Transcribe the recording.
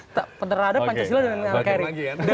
tidak pernah ada pancasila dan nkri